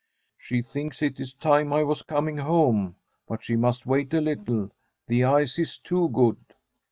* She thinks it is time I was coming home, but she must wait a little ; the ice is too good.'